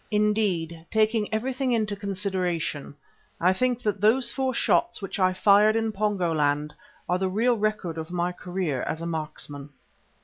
Indeed, taking everything into consideration, I think that those four shots which I fired in Pongo land are the real record of my career as a marksman.